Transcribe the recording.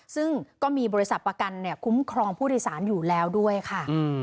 ซึ่งก็มีบริษัทประกันคุ้มครองผู้โดยสารอยู่แล้วด้วยค่ะ